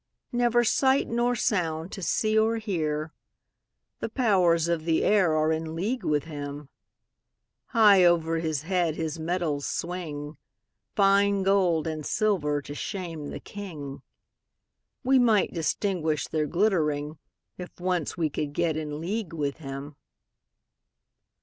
Never sight nor sound to see or hear; The powers of the air are in league with him; High over his head his metals swing, Fine gold and silver to shame the king; We might distinguish their glittering, If once we could get in league with him.